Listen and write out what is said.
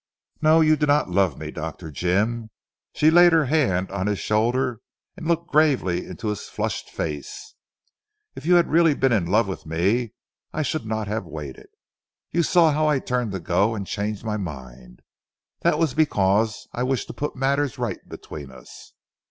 "No! You do not love me, Dr. Jim," she laid her hand on his shoulder, and looked gravely into his flushed face. "If you had really been in love with me, I should not have waited. You saw how I turned to go and changed my mind. That was because I wish to put matters right between us."